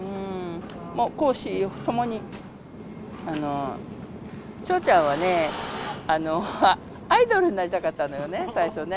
公私ともに、笑ちゃんはね、アイドルになりたかったのよね、最初ね。